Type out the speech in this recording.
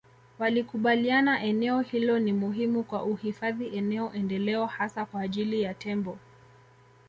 walikubaliana eneo hilo ni muhimu kwa uhifadhi eneo endeleo hasa kwa ajili ya tembo